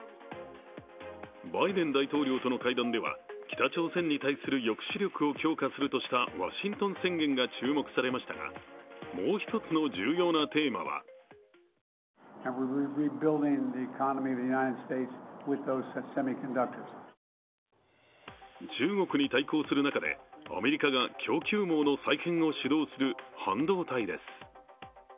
バイデン大統領との会談では、北朝鮮に対する抑止力を強化するとしたワシントン宣言が注目されましたがもう一つの重要なテーマは中国に対抗する中でアメリカが供給網の再編を主導する半導体です。